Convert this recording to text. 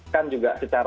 kan juga sejarahnya